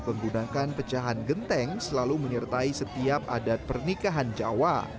menggunakan pecahan genteng selalu menyertai setiap adat pernikahan jawa